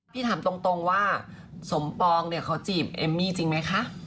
ถามตรงว่าสมปองเนี่ยเขาจีบเอมมี่จริงไหมคะ